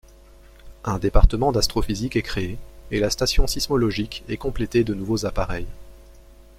Un département d’astrophysique est créé et la station sismologique est complétée de nouveaux appareils.